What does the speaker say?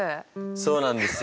そうなんですよ。